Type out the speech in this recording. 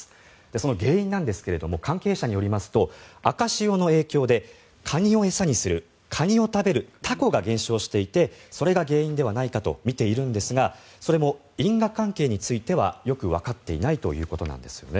その原因ですが関係者によりますと赤潮の影響で、カニを餌にするカニを食べるタコが減少していてそれが原因ではないかと見ているんですがそれも因果関係についてはよくわかっていないということです。